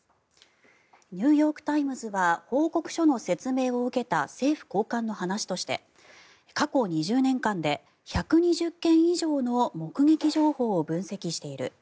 ニューヨーク・タイムズは報告書の説明を受けた政府高官の話として過去２０年間で１２０件以上の目撃情報を分析している。